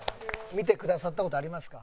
見てくださった事ありますか？